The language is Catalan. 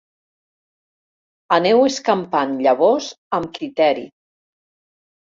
Aneu escampant llavors amb criteri.